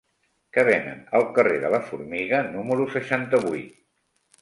Què venen al carrer de la Formiga número seixanta-vuit?